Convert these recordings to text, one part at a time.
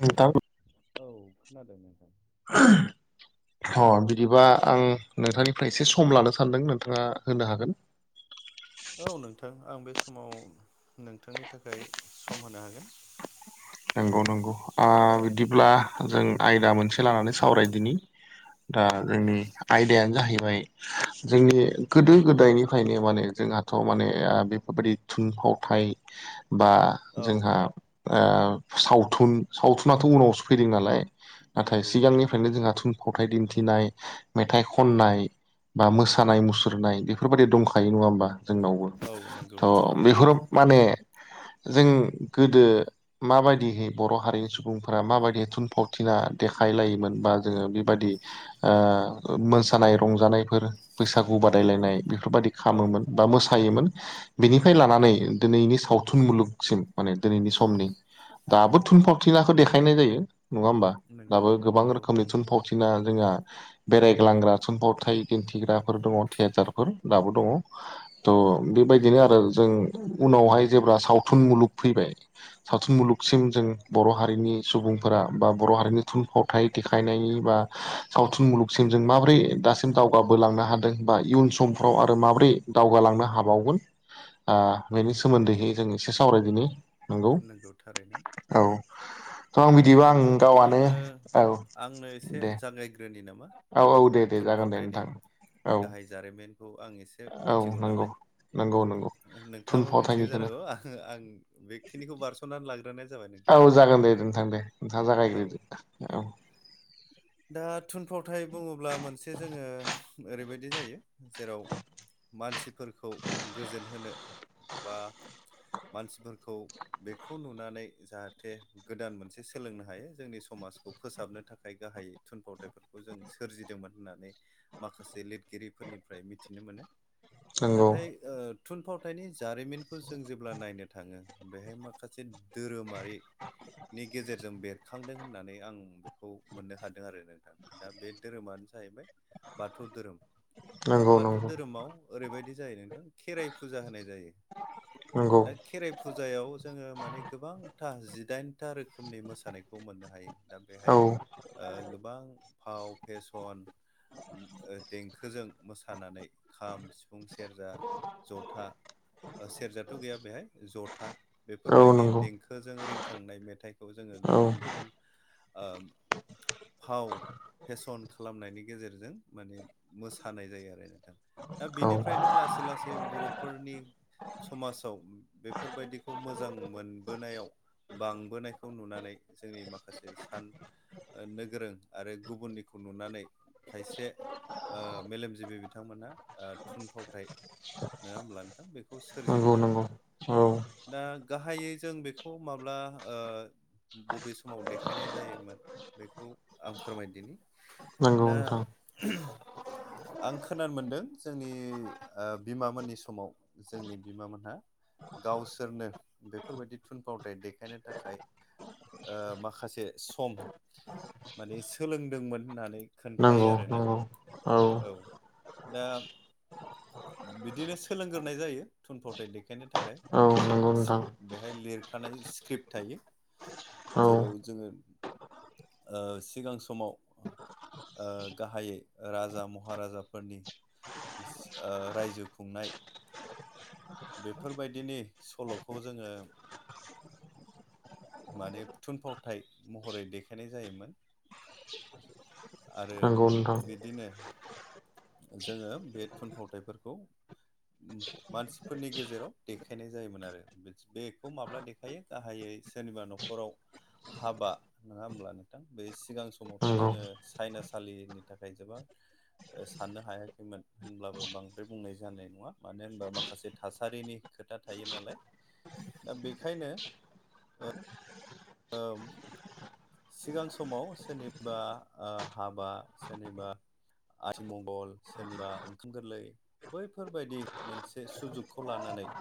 नोंथां औ खोनादों नोंथां [inaudible] अ बिदिबा आं नोंथांनिफ्राय एसे सम लानो सानदों नोंथाङा होनो हागोन औ नोंथां आं बे समाव नोंथांनि थाखाय सम होनो हागोन नंगौ नंगौ बिदिब्ला जों आयदा मोनसे लानानै सावरायदिनि दा औ जोंनि आयदायानो जाहैबाय जोंनि गोदो गोदायनिफ्रायनो माने जोंहाथ' माने बेफोरबायदि थुनफावथाय बा औ जोंहा सावथुन सावथुनाथ' उनावसो फैदों नालाय नाथाय नंगौ थारैनो। सिगांनिफ्रायनो जोंहा थुनफावथाय दिन्थिनाय मेथाइ खननाय बा मोसानाय मुसुरनाय बेफोरबायाददि दंखायो नङा होमबा? जोंनावबो औ नंगौ थ' बेफोरो माने जों गोदो माबायदिहै बर' हारिनि सुबुंफोरा माबायदि थुनफावथिना देखायलायोमोन बा जोङो बायदि मोसानाय रंजानायफोर बैसागु बादायलायनाय बेफोर बायदि औ खामोमोन बा मोसायोमोन बेनिफ्राय लानानै दिनैनि सावथुन मुलुगसिम माने दिनैनि समनि दाबो थुनफावथिनाखौ देखायनाय जायो नङा होमबा नंगौ दाबो गोबां नंगौ रोखोमनि थुनफावथि बिना जोंहा बेरायग्लांग्रा समफावथाय दिन्थिग्राफोर दङ थियेटारफोर दाबो दङ थ' बेबायदिनो आरो जों उनावहाय जेब्ला सावथुन मुलुग फैबाय। सावथुन मुलुगसिम जों बर' हारिनि सुबुंफोरा बा बर' हारिनि थुनफावथाय देखायनायनि बा सावथुन मुलुगसिम जों माबोरै दासिम दावगाबोलांनो हादों बा इयुन समफ्राव आरो माबोरै। दावगालांनो हाबावगोन बेनि सोमोन्दैहै जों एसे सावरायदिनि नंगौ नोंगौ थारैनो औ थ' आं बिदिबा आं नंगौ गावआनो आंनो औ आंनो एसे दे जागायग्रोनि नामा? औ मानो औ होनबा दे दे जागोन दे थुनफावथायनि नोंथां औ गाहाय जारिमिनखौ आं एसे एसे औ मिथिगौ नंगौ नालाय नंगौ नंगौ नोंथाङाबो मिथिगौ थुनफावथायनिखौनो जानांगौ आ आं बेखिनिखौ बारस'नानै लाग्रोनाय जाबाय नों औ जागोन दे नोंथां दे नोंथाङा औ जागायग्रोदो औ दा थुनफावथाय बुङोब्ला मोनसे जोङो ओरैबायदि जायो जेराव मानसिफोरखौ गोजोन होनो बा मानसिफोरखौ बेखौ नुनानै जाहाथे गोदान मोनसे सोलोंनो हायो जोंनि समाजखौ फोसाबनो थाखाय गाहायै। थुनफावथायफोरखौ जों सोरजिदोंमोन होननानै माखासे लिरगिरिफोरनिफ्राय मिथिनो मोनो। नंगौ नाथाय थुनफावथायनि जारिमिनखौ जों जेब्ला नायनो थाङो। बेहाय माखासे धोरोमारि नि गेजेरजों बेरखांदों होननानै आं बेखौ मोननो हादों आरो नोंथां। दा बे धोरोमानो जाहैबाय बाथौ धोरोम दा नंगौ बाथौ नंगौ धोरोमाव ओरैबायदि जायो नोंथां खेराइ फुजा होनाय जायो नंगौ दा। खेराइ फुजायाव जोङो माने गोबांथा जिदाइनथा रोखोमनि मोसानायखौ मोननो हायो। दा औ बेहाय गोबां फाव फेसन देंखोजों मोसानानै खाम सिफुं सिफुं सेरजा जथा सेरजाथ' गैया बेहाय जथा औ बेफोरबायदि नंगौ देंखोजों रिंखांनाय मेथाइखौ जोङो औ गुबुन गुबुन फाव फेसन खालामनायनि गेजेरजों माने मोसानाय जायो आरो नोंथां दा औ बेनिफ्रायनो लासै लासै जे बर'फोरनि समाजाव बे बेफोरबायदिखौ मोजां मोनबोनायाव बांबोनायखौ खौ नुनानै जोंनि माखासे सान नो गोरों आरो गुबुननिखौ नुनानै खायसे मेलेमजिबि बिथांमोना थुनफावथाय नङा होमब्ला नोंथां बेखौ नंगौ सोरजिदों आरो नंगौ ना औ दा गाहायै जों बेखौ माब्ला बबे समाव देखायनाय जायोमोन बेखौ आं फोरमायदिनि नंगौ दा नोंथां आं खोनानो मोनदों जोंनि बिमामोननि समाव जोंनि बिमामोनहा गावसोरनो बेफोरबायदि थुनफावथाय देखायनो थाखाय माखासे सम माने सोलोंदोंमोन होननानै खोन्थायो नंगौ आरोना नंगौ औ दा बिदिनो सोलोंग्रोनाय जायो थुनफावथाय देखायनो थाखाय औ माखासे नंगौ नोंथां बेहाय लिरखानाय स्क्रिप्ट थायो औ जेराव जोङो सिगां समाव गाहायै राजा महाराजाफोरनि रायजो खुंनाय बेफोरबायदिनि सल'खौ जोङो माने थुनफावथाय महरै देखायनाय जायोमोन। आरो औ नोंथां बिदिनो जोङो बे थुनफावथायफोरखौ मानसिफोरनि गेजेराव देखायनाय जायोमोन आरो बेखौ माब्ला देखायो गाहायै सोरनिबा न'खर न'खराव हाबा नङा होमब्ला नोंथां बे सिगां समावथ' नंगौ जोङो साइनासालिनि थाखाय जोबोद साननो हायाखैमोन होनब्लाबो बांद्राय बुंनाय जानाय नङा मानो होनबा माखासे थासारिनि खोथा थायो नालाय दा बेखायनो ओ सिगां समाव सोरनिबा हाबा सोरनिबा आथि मंगल सोरनिबा ओंखाम गोरलै बैफोरबायदि मोनसे सुजुगखौ लानानै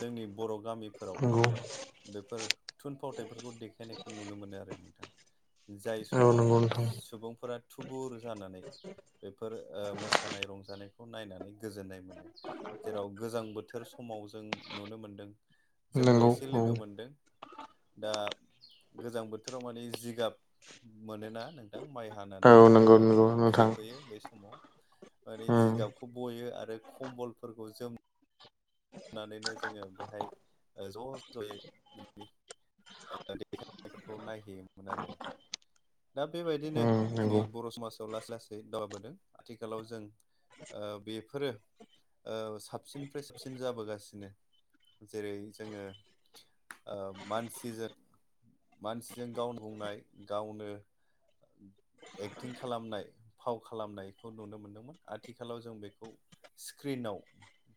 जोंनि बर' गामिफोराव नंगौ औ बेफोर थुनफावथायफोरखौ देखायनायखौ नुनो मोनो आरो नोंथां जाय समाव नंगौ नोंथां सुबुंफोरा थुबुर जानानै बेफोर मोसानाय रंजानायखौ नायनानै गोजोननाय मोनो जेराव गोजां बोथोर समाव जों नुनो मोनदों जोंबो नंगौ एसे औ लोगो मोनदों दा गोजां बोथोर बोथोराव माने जिगाब मोनोना नोंथां माइ हानानै औ नंगौ नंगौ नोंथां जोबहैयो बे समाव माने उम जिगाबखौ बयो आरो खम्बलफोरखौ जोम होननानैनो जोङो बेहाय ज' ज'यै बि देखायनायफोरखौ नायहैयोमोन आरो नोंथां दा बेबायदिनो उम जोंनि नंगौ बर' समाजाव लासै लासै दावगाबोदों आथिखालाव जों बेफोरो साबसिननिफ्राय साबसिन जाबोगासिनो जेरै जोङो मानसिजों मानसिजों गावनो बुंनाय गावनो एक्टिं खालामनाय फाव खालामनायखौ नुनो मोन्दोंमोन आथिखालाव जों बेखौ स्क्रिनाव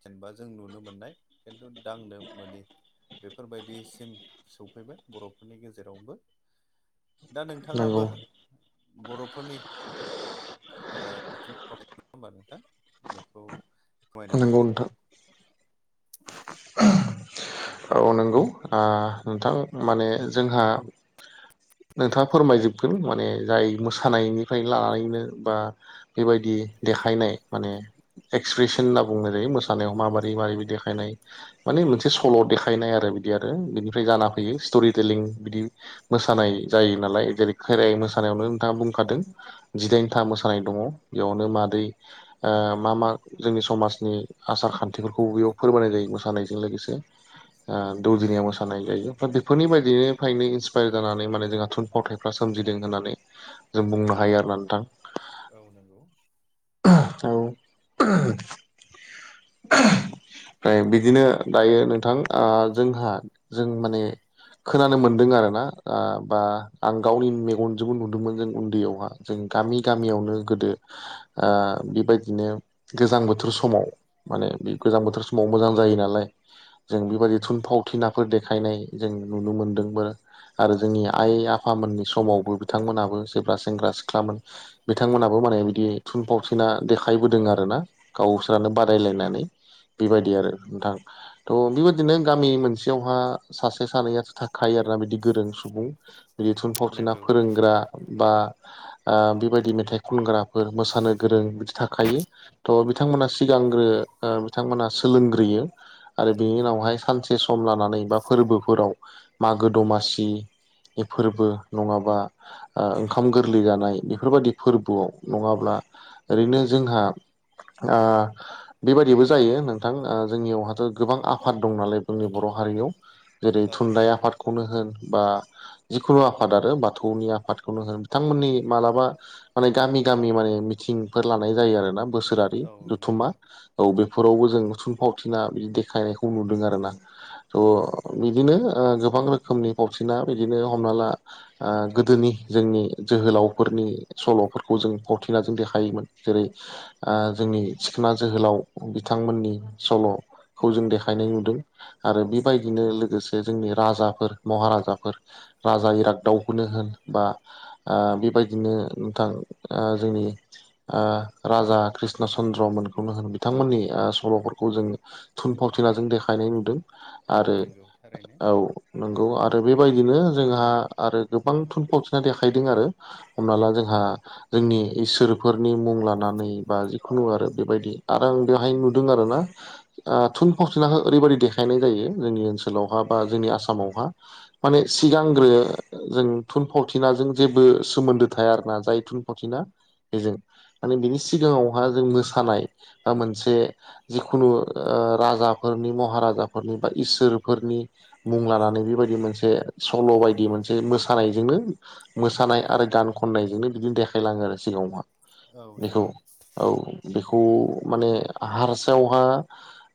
जेनेबा जों नुनो मोननाय खिन्थु दांनो बेफोरबायदिसिम सौफैबाय बर'फोरनि गेजेरावबो दा नंगौ नोंथाङाबो बर'फोरनि [unintelligible] नोंथां बेखौ फोरमायनो नंगौ हासिगोन नोंथां औ नंगौ ओ नोंथां माने जोंहा नोंथाङा फोरमायजोबगोन माने जाय मोसानायनिफ्राय लानानैनो बा बेबायदि देखायनाय माने एक्सप्रेसन होनना बुंनाय जायो औ मोसानायाव माबादै मै मारै बिदि देखायनाय माने मोनसे सल' देखायनाय आरो बिदि आरो बि ओमफ्राय जाना फैयो स्ट'रि टेलिं बिदि मोसानाय जायो नालाय जेरै खेराइ मोसानायावनो नोंथाङा बुंखादों औ जिदाइनथा मोसानाय दङ बेयावनो मादै मा मा जोंनि समाजनि आसार खान्थिफोरखौ बेयाव फोरमाय जायो मोसानायजों लोगोसे नंगौ दौजनिया मोस मोसानाय जायो बेफोरनि बायदियनो फायनो इन्सपायार जानानै माने जोंहा थुनफावथायफ्रा सोमजिदों होननानै जों बुंनो हायो आरोना नोंथां औ नंगौ औ [unintelligible] ओमफ्राय बिदिनो दायो नोंथां जोंहा जों माने खोनानो मोनदों आरोना ओ बा आं गावनि मेगनजोंबो नुदोंमोन जों उन्दैयावहा जों गामि औ गामियावनो गोदो ओ बेबायदिनो गोजां बोथोर समाव माने बे गोजां बोथोर सम समाव मोजां जायो नालाय जों नंगौ बेबायदि थुनफाव थिनाफोर देखायनाय जों नुनो मोन्दोंबो आरो जोंनि आइ आफामोननि समावबो बिथांमोनाबो जेब्ला सेंग्रा सिख्लाोन नंगौ बिथांमोनहाबो माने थारैनो बिदि थुनफावसिना देखायबोदों आरोना गावसोरानो बादायलायनानै बेबायदि आरो नोंथां थ' बेबायदिनो गामि मोनसेयावहा सासे सानैयाथ' थाख खायो आरोना बिदि गोरों सुबुं बिदि थुनफावथिना नंगौ फोरोंग्रा बा ओ बेबायदि मेथाइ खनग्राफोर मोसानो गोरों बिदि थाखायो थ' नंगौ बिथांमोना सिगांग्रो बिथांमोना सोलोंग्रोयो आरो बिनि नंगौ उनावहाय सानसे से सम लानानै बा फोरबोफोराव मागो दमासि बे फोरबो नङाबा ओ ओंखाम गोरलै जानाय इफोरबायदि फोरबोआव नङाब्ला ओरैनो जोंहा ओ बेबायदिबो जायो नोंथां जोंनियावहाथ' गोबां आफाद दं नालाय जोंनि बर' हारियाव जेरै औ थुनलाइ नंगौ आफादखौनो होन बा जिखुनु आफाद आरो बाथौनि आफादखौनो होन बिथांमोननि मालाबा माने गामि गामि माने मिथिंफोर लानाय जायो आरो ना बोसोरा औ जथुमा नंगौ औ बेफोरावबो जों थुनफावथिना बिदि देखायनायखौ नुदों आरो ना थ' नंगौ थारैनो बिदिनो गोबां रोखोमनि फावथिना बिदिनो हमना ला ओ गोदोनि जोंनि जोहोलावफोरनि सल'फोरखौ जों फावथिनाजों देखायोमोन जेरै ओ जोंनि सिखोन जोहोलाव बिथांमोननि सल'खौ जों देखायनाय नंगौ नुदों आरो बेबायदिनो लोगोसे जोंनि राजाफोर महाराजाफोर राजा इरागदावखौनो होन बा बेबायदिनो नोंथां ओ जोंनि ओ राजा कृष्ण चन्द्र मोनखौनो होन बिथांमोननि ओ सल'फोरखौ जों थुनफावथिनाजों देखायनाय नुदों आरो नंगौ थारैनो औ नंगौ आरो बेबायदिनो जोंहा आरो गोबां थुनफावथिना देखायदों आरो हमना ला जोंहा जोंनि इसोरफोरनि मुं लानानै बा जिखुनु आरो बेबायदि आरो आं बेहाय नुदों आरो ना ओ थुनफावथिनाखौ ओरैबायदि देखायनाय जायो जोंनि ओनसोलावहा बा जोंनि आसामावहा माने सिगांग्रो जों थुनफावथिनाजों जेबो सोमोन्दो थाया आरो ना जाय थुनफावथिना। बेजों माने बिनि सिगाङावहा जों मोसानाय बा मोनसे जिखुनु ओ राजाफोरनि महाराजाफोरनि बा इसोरफोरनि मुं औ लानानै बेबायदि मोनसे सल' बायदि मोनसे मोसानायजोंनो। मोसानाय आरो गान खननायजोंनो बिदिनो देखायलाङो आरो सिगाङावहा औ बेखौ नंगौ। औ बेखौ माने हारसायावहा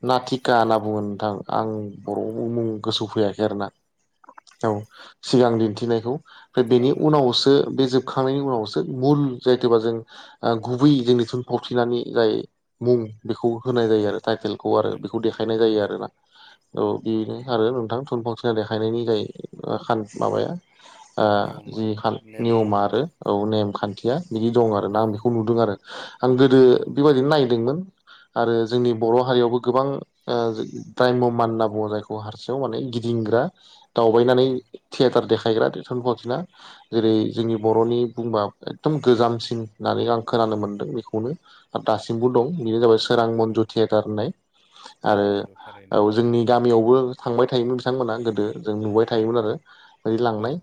नातिका होनना बुङो नोंथां आं बर' मुं गोसो फैयाखै आरोना। औ सिगां दिन्थिनायखौ ओमफ्राय औ बेनि उनावसो बे जोब खांनायनि उनावसो मुल जायोथबा जों गुबै जोंनि थुनफावथिनानि जाय मुं बेखौ होनाय औ जायो आरो टाइटेलखौ आरो नंगौ बेखौ देखायनाय जायो आरोना। औ बेनो आरो नोंथां थुनफावथिना देखायनायनि जाय खान माबाया। ओ नियमा जि नेम नियम आरो औ नेम खान्थिया बिदि दं आरोना आं बेखौ नुदों आरो आं गोदो नंगौ बेबायदिनो थारैनो नायदों आरो जोंनि बर' हारियावबो गोबां ओ [inaudible] मानना बुङो जायखौ हारसें माने गिदिंग्रा दावबायनानै औ थियेटार देखायग्रा थुनफावथिना जेरै जोंनि बर'नि बुंबा एकदम गोजामसिन होननानै आं खोनानो मोन्दों बेखौनो। दासिमबो दं बेनो जाबाय सोरां मन्जु थियेटार होननाय औ आरो नंगौ थारैनो औ जोंनि। गामियावबो थांबाय थायोमोन बिथांमोना गोदो जों नुबाय थायोमोन आरो बिदि औ लांनाय।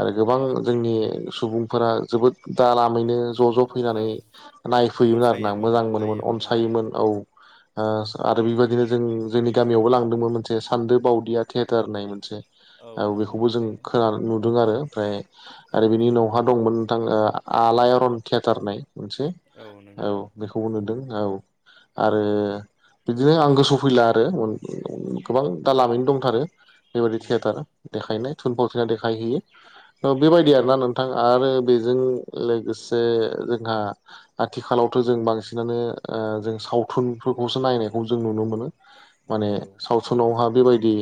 आरो गोबां जोंनि सुबुंफोरा जोबोद दा लामैनो ज' ज' फैनानै औ नायफैयोमोन आरोना अनसायोमोन ओ मोजां मोनोमोन नायोमोन आरो अनसायोमोन औ। ओ आरो बेबायदिनो जों जोंनि गामियावबो लांदोंमोन मोनसे सान्दो बावदिया थियेटार होननाय मोनसे। औ नंगौ बेखौबो जों थारैनो खोना नुदों आरो ओमफ्राय आरो बिनि उनावहा दंमोन नोंथां ओ आलायारन थियेटर होननाय मोनसे। औ नंगौ। बेखौबो नुदों औ आरो। बिदिनो आं गोसोआव फैला आरो गोबां दा लामैनो दंथारो बेबायि नंगौ थियेटार। देखायनाय थुनफावथिना देखायहैयो। बेबायदि आरोना नोंथां आरो बेजों लोगोसे जोंहा आथिखालावथ' जों बांसिनानो जों सावथुनफोरखौसो नायनायखौ जों नुनो मोनो। माने नंगौ सावथुनावहा बेबायदि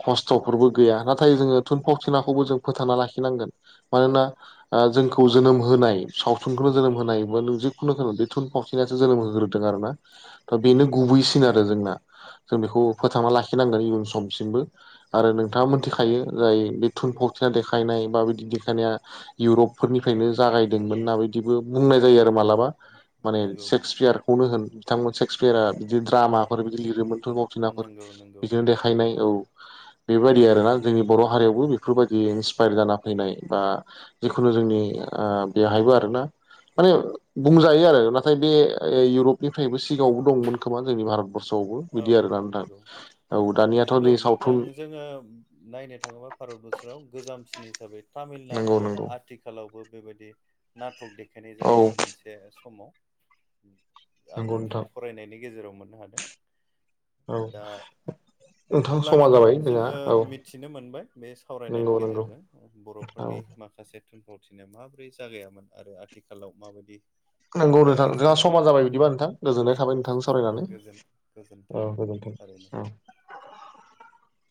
खस्थ'फोरबो गैया नाथाय जोङो थुनफावथिनाखौबो जों फोथांना लाखिनांगोन मानोना जोंखौ जोनोम होनाय सावथुनखौनो जोनोम नंगौ होनायोबा नों जिखुनु बे थुनफावथिनासो जोनोम होग्रोदों आरोना। दा बेनो नंगौ गुबैसिन आरो जोंना जों बेखौ फोथांना लाखिनांगोन इयुन समसिमबो। आरो नोंथाङा नंगौ थारैनो मिथिखायो जाय बे थुनफक्थिना देखायनाय बा बिदि देखायनाया। इउरपफोरनिफ्रायनो जागायदोंमोन होनना बायदिबो बुंनाय जायो आरो माला बा‌ माने नंगौ सेक्सयार खौनो होन बिथांमोन सेक्सपियारा बि द्रामाफोर बिदि लिरोमोन। थुनफावथिनाफोर नंगौ नंगौ बिदिनो देखायनाय औ बेबायदि आरोना जोंनि बर' हारियावबो बेफोरबायदि इन्सपायार जाना फैनाय बा जिखुनु जोंनि बेहायबो आरोना माने बुंजायो आरो नाथाय बे इउरपनिफ्रायबो सिगाङावबो दंमोन खोमा जोंनि भारत खरसआवबो औ बिदि आरोना आ दां नंगौ औ दानियाथ' नंगौ नै नोंथां सावथुन जोङो नायनो थाङोबा भारत बोसोराव गोजामसिन हिसाबै नंगौ तामिलनाडुआव नंगौ आथिखाल आथिखालावबो बेबायदि नटक देखायनाय औ जायो मोनसे समाव आं नंगौ नोंथां फरायनायनि गेजेराव मोननो हादों। औ दा नोंथां अब्ला समा नंगौ जाबाय जोंहा जोङो औ मिथिनो मोनबाय बे सावरायनायनि नंगौ नंगौ गेजेरजों औ बर'फोरनि माखा से थुनफावथिनाय माबोरै जागायामोन आरो आथिखालाव माबायदि नोंगौ ओ नोंथां नोंथाङा जानानै समान दं जाबाय औ बिदिबा नोंथां गोजोननाय थाबाय नोंथांजों सावरायनानै गोजोन गोजोन्थों औ गोजोनथों थारैनो उम।